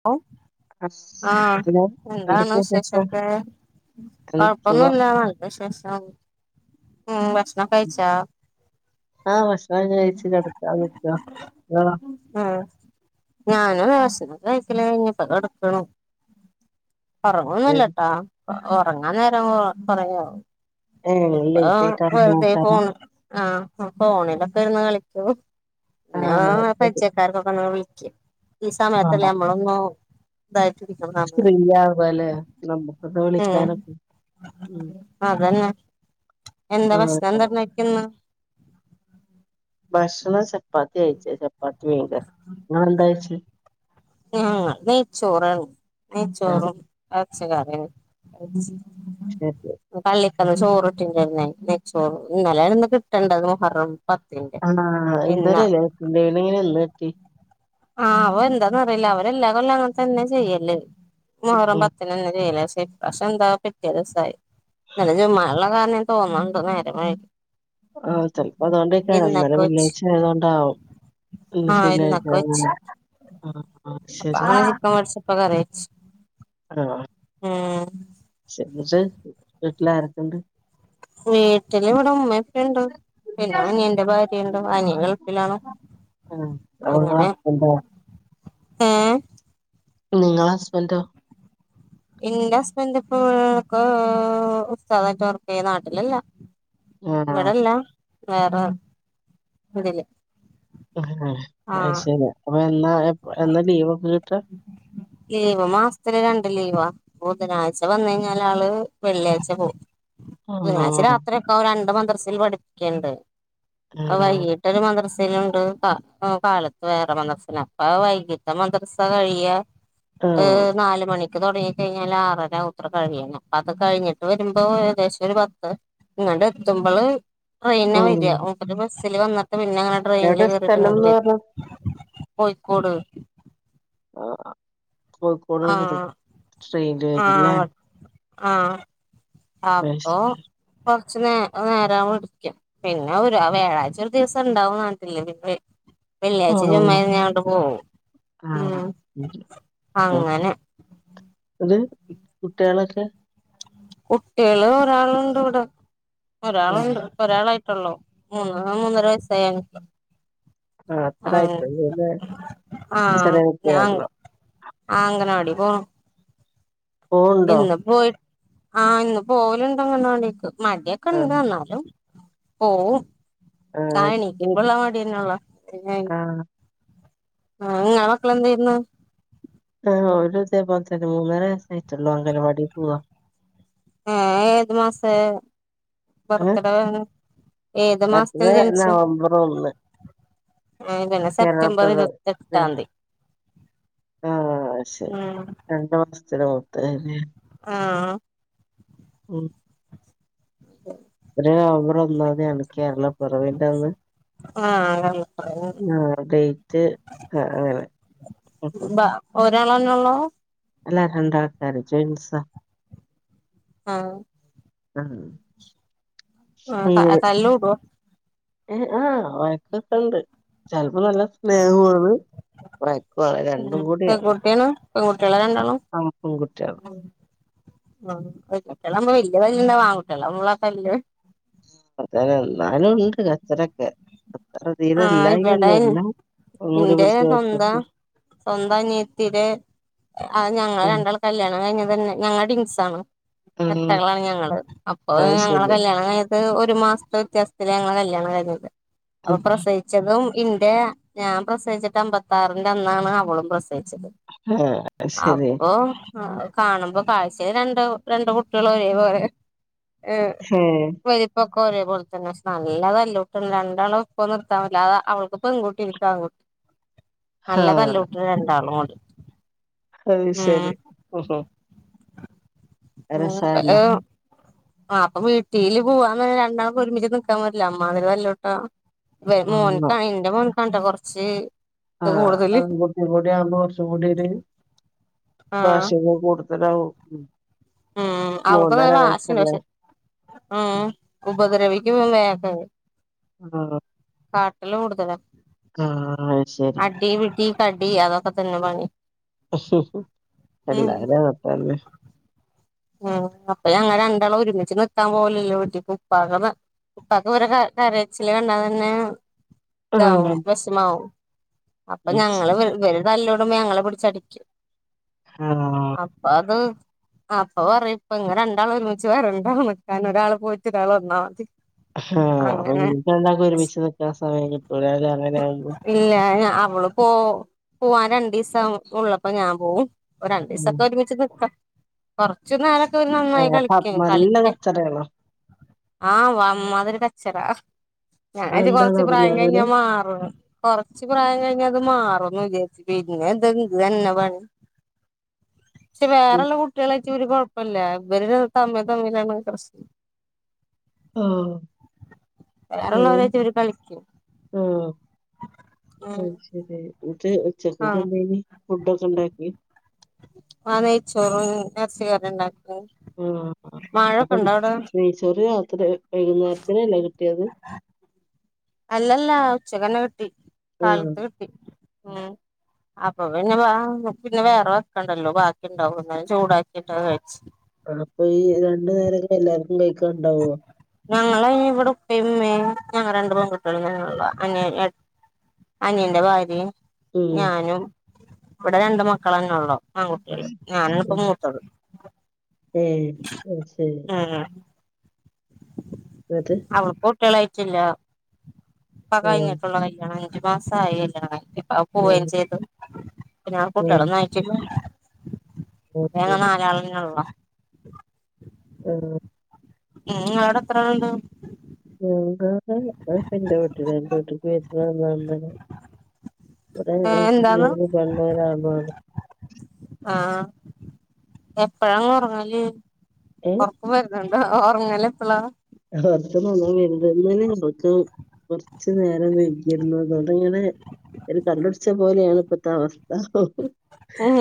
പ്പൊ, ആഹ് ആഹ് ഹലോ എന്താണ് എന്തൊക്കെയാ വിശേഷം വിശേഷൊക്കെ എന്ത് സുഖം കൊഴപ്പന്നുല്ല നല്ല വിശേഷം. ഹ്മ്മ് ഭ ആഹ് ഭക്ഷണൊക്കെ കഴിച്ച് കെടക്കാൻ നിക്ക ഇങ്ങളോ ആഹ് ഞാനും ഭക്ഷണൊക്കെ കഴിക്കലഴിഞ്ഞ് ഇനിപ്പോ കട്ക്കണം ഏഹ് ഒറങ്ങൊന്നില്ലട്ടാ ഒ ഒറങ്ങാൻ നേരാവുമ്പോ ഒറങ്ങു ഏഹ് അപ്പോ വെറുതെ ഫോണ് ആഹ് ഫോണിലൊക്കെ ഇരുന്ന് കളിക്കും പിന്നാ ആഹ് ശരി പരിചയക്കാർക്കൊക്കെ ഒന്ന് വിളക്കും ഈ സമയത്തല്ലേ ആഹ് നമ്മളൊന്ന് ഇതായിട്ട് ഇരിക്കുന്നൊന്ന്, ഫ്രീ ആവാല്ലേ നമുക്കൊന്ന് ഹ്മ്മ് വിളിക്കാനൊക്കെ ഉം അതന്നെ എന്താ ആഹ് ഭക്ഷണെന്താ കഴിക്ക്ന്നെ ഭക്ഷണം ചപ്പാത്തിയാ കഴിച്ചേ ചപ്പാത്തി മീൻകറി നിങ്ങളെന്താ കയിച്ചേ ആഹ്, നെയ്ച്ചോറാണ് ആഹ് നെയ്ച്ചോറും എറച്ചി കറിം. ശെരി പിന്നെ പള്ളിക്കന്ന് ചോറ് കിട്ടിലെന്നോ നെയ്ച്ചോറ് ഇന്നലായിരുന്നു കിട്ടേണ്ടത് മുഹറം പത്തിന്റെ ആണോ ഇന്നാ ഇന്നാലല്ലേ പിന്നെങ്ങനെ ഇന്ന് കിട്ടിയേ ആഹ് ആവോ എന്താന്നറീല്ല അവരെല്ലാ കൊല്ലം അങ്ങനെ തന്നെ ചെയ്യല് മുഹറം ഉം പത്ത് അങ്ങനെ തന്നെ ചെയ്യല് പക്ഷെ ഇപ്രാവശ്യം എന്താ പിറ്റിയ ദിവസായി ഇന്നലെ ജുമുഅ ഇല്ലതാണ് തോന്നണ്ട് നേരം വൈകി ആഹ് ചെൽപ്പം അത്തോണ്ടെക്കാരം ഇന്നലെ ഇന്നക്ക് വെച്ച് വെള്ളിയാഴ്ച്ച ആയതൊണ്ടാവും പിന്നെ ആഹ് ശെനിയാഴ്ച്ച ഇന്നക്ക് വെച്ച് ആഹ് അപ്പൊ ശെരി അങ്ങനെ ആഹ് ചിക്കൻ മേടിച്ചപ്പോ ആഹ്. ഹ്മ്മ് [unintelligible] വീട്ട്ലാരൊക്കെണ്ട് വീട്ടില് ഇവടെ ഉമ്മേം ഉപ്പണ്ട്. പിന്നെ അനിയന്റെ ഭാര്യണ്ട് അനിയൻ ഗൾഫിലാണ്. ആഹ് അപ്പ ഇങ്ങളെ ഹസ്ബന്റൊ ഏഹ് നിങ്ങളെ ഹസ്ബന്റൊ? ഇന്റെ ഹസ്ബൻഡ് ഇപ്പോ ഉസ്താദായിട്ട് വർക്കെയ്യാ നാട്ടിലല്ല ആഹ് ഇവല്ല വേറെ ഇതില് ഏഹ് അത് ആഹ് ശെരി അപ്പ എന്നാ എന്നാ ലീവൊക്കെ കിട്ടാ ലീവ് മാസത്തില് രണ്ട് ലീവാ ബുധനാഴ്ച്ച വന്നഴിഞ്ഞാലാള് വെള്ളിയാഴ്ച്ച പോവും ബുധനാഴ്ച്ച ആഹ് രാത്രിയൊക്കെ ആവും രണ്ട് മദ്രസേൽ പഠിപ്പിക്കണ്ട് അപ്പൊ ആഹ് വൈകി ഒര് മദ്രസെലുണ്ട് ക കാലത്ത് വേറെ മദ്രസേല് അപ്പ വൈകിട്ട് മദ്രസ അപ്പ കഴിയാ ഏഹ് ആഹ് നാല് മണിക്ക് തൊടങ്ങി കഴിഞ്ഞാല് ആറര ആവുത്രെ കഴിയണം അത് കഴിഞ്ഞിട്ട് വരുമ്പോ ഏകദേശം ഒര് പത്ത് ഇങ്ങട്ട് എത്തുമ്പള് ട്രെയിനിലാ ഉം വരാ മൂപ്പര് ബസ്സില് വന്നിട്ട് പിന്നങ്ങനെ ട്രെയിനില് എവിടെ കേറിട്ട് ഇങ്ങട്ട് സ്ഥലംന്ന് വരും പറഞ്ഞത് കോഴിക്കോട് ആഹ് ആഹ് കോഴിക്കോട് വരെ ആഹ് ട്രെയിനില് വരല്ലേ ആഹ് ആഹ് അത് അപ്പൊ ശരി കൊറച്ച് നേ നേരാവും പിടിക്കാൻ. പിന്ന ഒരു വ്യാഴാഴ്ച്ച ഒരു ദിവസം ണ്ടാവും ന്നർഞ്ഞിട്ടില്ലേ പിന്ന വെള്ളിയാഴ്ച ജുമാ ആഹ് കഴിഞങ്ങോട്ട് പോകും ആഹ് ഉം ഇത് അങ്ങനെ അത് കുട്ടികാളൊക്കെ? കുട്ടികാള് ഒരാളുണ്ടിവിട ഉം ഒരാളുണ്ട് ഒരാളായിട്ടൊള്ളൂ മൂന്ന് മൂന്നര വയസ്സായി ആഹ് ആഹ് ചെറിയ ഞാ അൻ കുട്ടിയാണല്ലോ ആഹ് അംഗനവാടി പോവും പോവുണ്ടോ ഇന്ന് പോയി ആ ഇന്ന് പോവലുണ്ടങ്കണവാടിക്ക് മടി ഒക്കെണ്ട് ആഹ് എന്നാലും പോവും ആ ആഹ് എണിക്കുമ്പള്ളാ മടിന്നെള്ളൂ പിന്നെ ആഹ് ആഹ് ഇങ്ങളെ മക്കളെന്ത ചെയ്യുന്നു ആ ഓനു ഇതേ പോൽതെന്നെ മൂന്നര വയസ്സേ ആയിട്ടള്ളു അംഗനവാടിപോവ ആ ഏത് മാസെ ഏഹ് ബർത്ത്ഡേ വരണ് ഏത് മാസത്തിലാ ബർത്ത്ഡേ ജനിച്ച് നവംബർ ഒന്ന് [unintelligible] പിന്നെ സെപ്റ്റംബർ കേരളപ്പിറ ഇരുപത്തെട്ടാന്തി ആഹ് ശെരി ഉം രണ്ട് മാസത്തിന് മൂത്തെല്ലേ ആഹ് ഉം വര് നവമ്പർ ഒന്നാതീയാണ് കേരള പിറവീന്റന്ന് [unintelligible] ആഹ് ഡേറ്റ് ആഹ് അങ്ങനെ ഒരാളന്നെള്ളൂ അല്ലാ രണ്ടാൾക്കാര് ച്വയ്ങ്സ ആഹ് [unintelligible] നോക്ക അങ്ങനെ തല്ലൂഡോ? ആഹ് വയക്കൊക്കെ ഉണ്ട് ചെലപ്പോ നല്ല ഉം സ്നേഹോണ് വഴക്കാണ് രണ്ടും കൂടിയാണ് പെൺകുട്ടിയാണ് ആ പെൺകുട്ടിയാള് ഉം ആഹ് പെൺകുട്ടികളാവുമ്പോ വല്യ തല്ലുണ്ടാവില്ല ആൺകുട്ടികളാവുമള തല്ല് അതന്നെ എന്നാലും ഉണ്ട് കച്ചറൊക്കെ അത്ര തീരെ ആഹ് ഇല്ലായി ഇവിടെ ഒന്നുല്ല. മുടി ഇന്റെ സ്വന്തം [unintelligible] സ്വന്തം അനിയത്തിടെ അ ഞങ്ങള് ഉം രണ്ടാൾ കല്യാണം കഴിഞ്ഞ തന്നെ ഞങ്ങള് ട്വിൻസ്സാണ് ഉം ഇരട്ടകളാണ് ഞങ്ങള് അപ്പൊ അത് ഞങ്ങള ശരി കല്യാണം ക ഒരു മാസത്തെ വ്യത്യാസത്തില ഞങ്ങൾടെ കല്യാണം കഴ്ഞ്ഞത് അപ്പൊ ഉം, പ്രസവി ച്ചതും ഇന്റെ ഞാൻ പ്രസവിച്ചിട്ട് അമ്പത്താറിന്റെ അന്നാണ് അവളും പ്രസവിച്ചത് ആ ശരി അപ്പൊം ആ കാണുമ്പോ കാഴ്ചയിൽ രണ്ടോ രണ്ട് കുട്ടികളും ഒരേ പോലെ ഏ ഹേ വലുപ്പൊക്കെ ഒരേപോലെ തന്നെ നല്ലതല്ലോട്ടാ രണ്ടാളും ഇപ്പൊ നിർത്താൻല്ലാത അവൾക്ക്പ്പെങ്കുട്ടി ഇക്കാങ്കുട്ടി ഹാ നല്ലതല്ലോ രണ്ടാളും കൂടി അത് ശരി ഉം ഓഹോ ഉം പല ആ അപ്പൊ വീട്ടില് പോവാന്ന് രണ്ടാക്ക് ഒരുമിച്ച് നിക്കാൻ പറ്റൂല അമ്മാതിരി തല്ലുണ്ടാവു ഉം ഇവൻ എന്റെ മോൻക്കാട്ട കൊറച്ച് ഇത് ആഹ് കൂടുതല് അൺ കുട്ടിം കൂടി ആവുമ്പോ കൊർച്ചും കൂടി ഒരു ആഹ് വാശി കൂടും അതാവും ഉം അവക്ക്ന്ന വാശില്ല പക്ഷെ ഉം ഉപദ്രവിക്കും വേക്ക ആഹ് കാട്ടല് കൂടുതല, അത് ശരി അടി പിടി കടി അതൊക്കെ തന്നെ പണി ഉം എല്ലാരിം അവസ്ഥ അതന്നേ ഉം അപ്പ ഞങ്ങ രണ്ടാളും ഒരുമിച്ച് നിക്കാൻ പോവലല്ല വീട്ടിക്ക് ഉപ്പാക്കത ഇപ്പക്കെ ഇവരെ ക കരച്ചില് കണ്ടാ തന്നെ താവും ഉം വെഷമാവും അപ്പൊ അത് ഞങ്ങള് ശരി ഇവര് തല്ലൂടുമ്പോ ഞങ്ങളെ പിടിച്ചടിക്കും ആഹ് അത് ആഹ് പ്പ പറയും പ്പ ങ്ങെ രണ്ടാളൊരുമിച്ച് വരണ്ടാ നിക്കാൻ ഒരാള് പോയിട്ട് ഒരാള് വന്നാ മതി ആഹ് അപ്പൊ അങ്ങനെ വീട്ടി രണ്ടാക്കും ഒരുമിച്ച് നിക്കാൻ സമയം കിട്ടൂലല്ലേ അങ്ങനെ ആവുമ്പോ ഇല്ലഞ അവള് പോ പോവാൻ രണ്ടീസം ഉള്ളപ്പോ ഞാൻ പോവും ഒരു ഉം രണ്ടീസൊക്കെ ഒരുമിച്ച് നിക്ക കൊറച്ചു നേരൊക്കെ ഇവര് നന്നായി ഏഹ് അപ്പൊ അത് കളിക്കും, നല്ല കളിക്ക കച്ചറയാണോ? ആഹ് വമ്മാതിരി കച്ചറ, ഞാനര്തി കൊർച്ച് എന്താന്നറിയില്ല പ്രായം അങ്ങനെ കഴിഞ്ഞാ മാറുന്ന് കൊറച്ച് പ്രായം കഴിഞ്ഞ ത് മാറുംന്ന് വിചാരിച്ചു, പിന്നെത് ഇതന്നെ പണി പക്ഷെ വേറെള്ള കുട്ടികളായിട്ടിവര് കൊഴപ്പില്ല ഇവര് തമ്മി തമ്മിലാണ് പ്രശ്നം ആഹ് വേറെള്ളവരായിട്ടിവര് കളിക്കും ഉം ഉം അഹ് ശരി നിട്ട് ഉച്ചക്കെന്തെ ആഹ് കറി ഫുഡ് ഒക്കെ ഉണ്ടാക്കി ആ നയ്ച്ചോറും എർച്ചിക്കറിം ണ്ടാക്കി ആഹ് അപ്പം നെയ്ചോർ രാത്രി വൈകുന്നേരത്തിനല്ലേ കിട്ടിയത് അല്ലല്ല ഉച്ചകന്നെ കിട്ടി ആഹ് കാലത്ത് കിട്ടി ഉം അപ്പൊ പിന്നെ വ പിന്നെ വേറെ വെക്കണ്ടല്ലോ ബാക്കി ണ്ടാവും ലോ ചൂടാക്കിട്ടത് കഴിച്ച് ആ അപ്പൊ ഈ രണ്ടു നേരൊക്കെ എല്ലാർക്കും കഴിക്കാണ്ടാവുവോ ഞങ്ങളയ്ന് വിടെ ഉപ്പേം മ്മേം ഞങ്ങ രണ്ടു പെൺകുട്ടികളും തന്നൊള്ളു. അനിയ ഏ അനിയന്റെ ഭാര്യയും ഉം ഞാനും ഇവിടെ രണ്ട് മക്കളന്നെ ഒള്ളു ആൺ കുട്ട്യാള്, ഞാനാണിപ്പോ ഉം മൂത്തത് ഏഹ് അത് ശരി ഞാനാ അതെ അവള്ക്ക് കുട്ടികളായിട്ടില്ല, പ്പം ആഹ് കഴഞ്ഞിട്ടുള്ളു കല്യാണം ഒരു മാസായി കല്യണം കഴിഞ്ഞിട്ട്. പ്പ അവൻ പോവേം ആഹ് ചെയ്ത്. പ്പ ഞാൻ കുട്ടിയളെ ആഹ് നോ. ട്ടില്ല ഞങ്ങൾ നാലാളെന്നെ ഒള്ളു ആഹ് ഉം ഇങ്ങളോടെത്രാളുണ്ട് ഇന്റോടെ ഞാനിപ്പോ ഇന്റെ വീട്ടിലാ എന്റെ വീട്ടക്ക് വരുന്ന [unintelligible] ഇവിടെ ഏ ഞങ്ങൾക് എന്താന്ന് മൂന്ന് പെണ്ണും ഒരാണും ആണ് ആഹ് എപ്പഴാ ങൾ ഒർങ്ങല്, ഏഹ് ഒർ ക്കം വരുന്നുണ്ടോ ഒർങ്ങലെപ്പളാ [unintelligible] കൊർച്ച് നേരം വെകിരുന്നു അതോണ്ട്ങ്ങനെ ഒരു കള്ളുട്ച്ച പോലെയാണ് പ്പത്തവസ്ഥ ഉം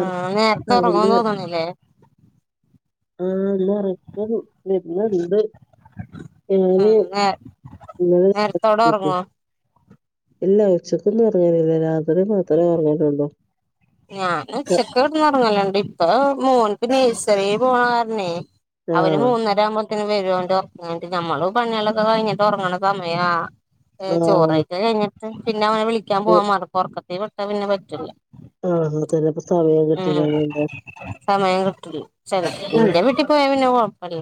ഒറക്കം ആഹ് അതുകൊണ്ട് നേരത്തൊറങ്ങും തോന്ന്ണ്ല്ലേ? ആഹ് ന്നൊറക്കം വരുന്നുണ്ട് ഉം ഞാന് നേ നേരത്തോടെ ഒറങ്ങോ [unintelligible] ഇല്ല ഉച്ചക്കൊന്നും ഒർങ്ങലില്ല രാത്രി മാത്രേ ഒർങ്ങലുള്ളു ഞാനുച്ചക്ക് കെടന്നൊർങ്ങലുണ്ട് ഇപ്പൊ മോൻപ്പം നെഴ്സറി പോണ കാരണേ അവന് ആഹ് മൂന്നരാമ്പത്തിന് വരു ഓന്റൊർക്ക് കയ്ഞ്ഞിട്ട് ഞമ്മളുപണികളൊക്കെ കഴിഞ്ഞിട്ടൊർങ്ങണ സമയാ ഏ ആഹ് ചോറയ്ക്കല് കഴിഞ്ഞിട്ട് പിന്നെ അവനെ വിളിക്കാൻ ഉം പോവാൻ മറക്കും ഒറക്കത്തി വിട്ടാ പിന്നെ പറ്റൂല ആഹ് അങ്ങൻതന്നെ പ്പൊ ഉം സമയം കിട്ട്ല്ല ചെല ഉം ഇന്റെ വീട്ടി പോയാ പിന്നെ കൊഴപ്പല്ല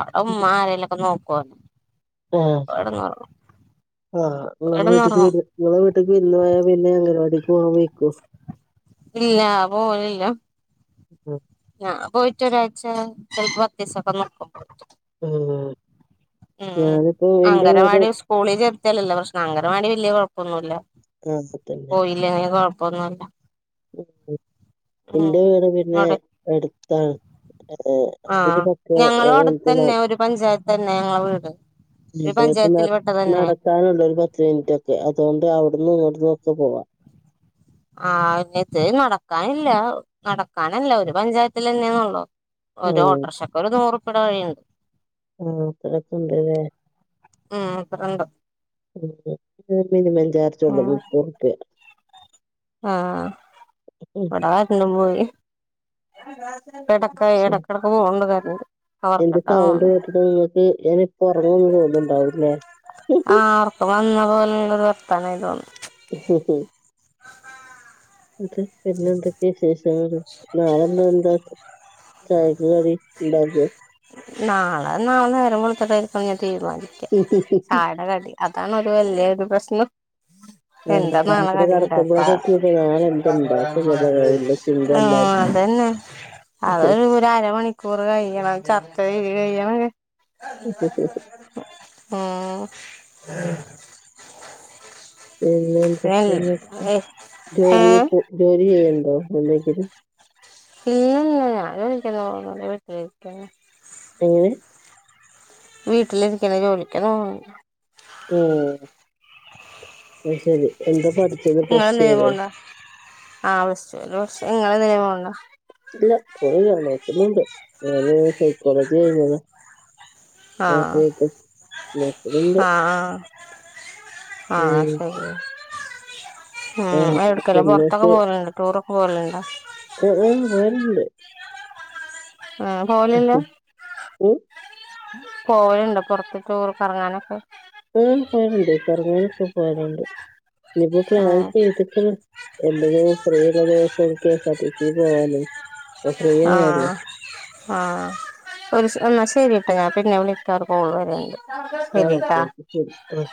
അവിടെ ഉമ്മ ആരെലൊക്കെ നോക്കോ? ആഹ് ആഹ് ങ്ങൾ വീട്ടിക്ക് കെടന്നുറങ്ങും വരോ ങ്ങളെ വീട്ട്ക്ക് വിരുന്ന് പോയാ പിന്നെ അംഗൻവാടിക്ക് [unintelligible] ഇല്ല പോവലില്ല ഉം ഞാൻ പോയിറ്റൊരാഴ്ച്ച ചെൽപ്പം [unintelligible] ഊം ഞാനിപ്പോ എന്റെ വീടും സ്കൂളി ചേർത്തിയലല്ലെ പ്രശ്നം അംഗനവാടി വല്യ കൊഴപ്പൊന്നുല്ല അത് തന്നെ ല്ലെങ്കി കൊഴപ്പൊന്നുല്ല ഉം ഉം ഉം ഇന്റെ വീട് പിന്നെ അവിടെ എടുത്താ ഏ ആഹ് ഞങ്ങളും അടുത്തന്നെ ഒരു പഞ്ചായത്ത്ന്നെ ഞങ്ങള വീട് ഒരു പഞ്ചായത്തിൽ പെട്ടതന്നെ [unintelligible] ക്കാനുണ്ട് ഒരു പത്ത് മിനിറ്റൊക്കെ അതോണ്ട് അവിടന്നും ഇവ്ടുന്നു ഒക്കെ പോവ ആഹ് ന്നിത് നടക്കാനില്ല നടക്കാനല്ല ഒരു പഞ്ചായത്തില്ലന്നെയൊള്ളു ഉം ഒരോട്ടൊറക്ഷക്കൊരു നൂറുപ്യയുടെ വഴിയുണ്ട് ആഹ് അത്രക്കെണ്ട് ല്ലേ ആഹ് അത്രണ്ട് [unintelligible] എ മിനിമം ചാർജെള്ളു ഉം മുപ്പറുപ്യ ആഹ് വട കറന്റും പോയി വടൊക്കെ ശരി എടക്കെടക്ക് പോവ്ണ്ട് കറൻറ് എന്റെ സൗണ്ട് കേട്ടിട്ട് നിങ്ങക്ക് ഞാനിപ്പൊറങ്ങുന്നു തോന്നുണ്ടാവുല്ലേ? പ്പം വന്ന പോലെയുള്ളൊരു വർത്താനായി തോന്നി. ഉഹുഹു ന്നിട്ട് പിന്നെന്തൊക്കെ ശ് ശേഷങ്ങള്? നാളെന്താ ന്താ ച് ചായക്ക് കടി ണ്ടാക്ക? നാള നാളെ നേരം വെള്ളുത്തിട്ടായിരിക്കും ഞാൻ തീരുമാനിക്ക ആ ചായടെ കടി അതാണ് ഒരു വല്ല്യേ ഒരു പ്രശ്നം ആഹ് എന്താ നാളെ രാത്രി കടി ഉണ്ടാക്കാ കെടക്കുമ്പോഴേക്കു പ്പ നാളെന്ത്ണ്ടാക്കു [unintelligible] ന്തെല്ലാർക്കും. അഅ് ഒരരമണിക്കൂറ് കഴിയണം ചർച്ച ചെയ്ത് കയ്യെണങ്കില് ഊം പിന്നെന്തൊക്ക [unintelligible] ജോലി ഏഹ് പൊ ജോലി ചെയ്യ്ണ്ടോ എന്തെങ്കിലും? ഇല്ലല്ല ഞാം ജോലിക്കൊന്നും പോവല്ല വീട്ടിലിരിക്കെന്ന എങ്ങനെ? വീട്ടിലിരിക്കണ് ജോലിക്കൊന്നും പോണ്‌ല ഉം അത് ശരി എന്താ പഠിച്ചത് പ്ലസ്റ്റു വരെ. ആഹ് പ്ലസ്റ്റു ഇങ്ങള് എന്തിനേലും പോവുണ്ടോ ഇല്ല ഒരു രണ്ടായിരത്തി അഞ്ഞൂറ്ണ്ട് ഞാന് സൈക്കോളജി കഴിഞ്ഞതാ ആ ആഹ് [unintelligible] നോക്ക്ണ് ണ്ട് ആ ആ ആ ഉം ഉം ആ ആഹ് എടുക്കല്ലോ പൊറത്തൊക്കെ പിന്നെ പോവലുണ്ടാ ടൂറൊക്കെ പോവലുണ്ടോ ആഹ് ആഹ് പോല്ണ്ട് ആഹ് പോലല്ലാ ഉം പോവലുണ്ടോ പൊർത്ത്ക്ക് ടൂർ കറങ്ങാനൊക്കെ ഉം പോവാലുണ്ട് കറങ്ങാനൊക്കെ പോവലുണ്ട് ഇനിപ്പൊ ആ പ്ലാൻ ചെയ്തിക്ക്ണ് എന്തെങ്കിലും ഫ്രീ എന്ന ദിവസം K S R T C പോവാനേ അപ്പൊ ഫ്രീ ആണല്ലോ ആഹ് ആഹ് ഒരുസം എന്നാൽ ശരിട്ടാ ഞാൻ പിന്നെ വിളിക്കാ ഒരു കോള് വര്ണ്ട് ശരിട്ടാ ഉം